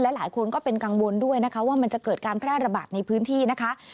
หลายคนก็เป็นกังวลด้วยนะคะว่ามันจะเกิดการแพร่ระบาดในพื้นที่นะคะ